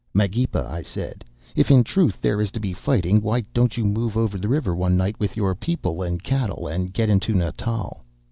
"'Magepa,' I said, 'if in truth there is to be fighting, why don't you move over the river one night with your people and cattle, and get into Natal?